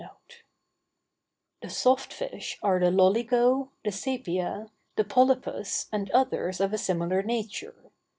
The soft fish are the loligo, the sæpia, the polypus, and others of a similar nature.